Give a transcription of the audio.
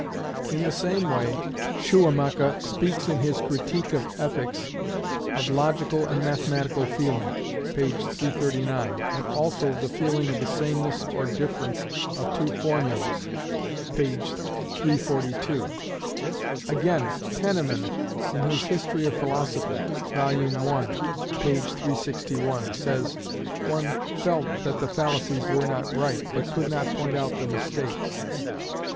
In the same way Schleiermacher speaks in his "Critique of Ethics" of logical and mathematical feeling (p. 339), and also of the feeling of the sameness or difference of two formulas (p. 342). Again Tennemann in his "History of Philosophy" (vol. I., p. 361) says, "One felt that the fallacies were not right, but could not point out the mistakes."